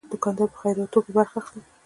دوکاندار په خیراتو کې برخه اخلي.